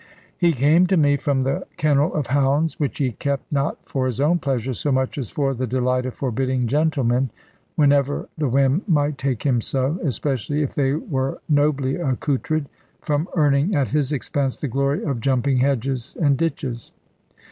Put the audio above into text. He came to me from the kennel of hounds, which he kept not for his own pleasure so much as for the delight of forbidding gentlemen, whenever the whim might take him so, especially if they were nobly accoutred, from earning at his expense the glory of jumping hedges and ditches.